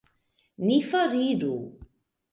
Ni foriru!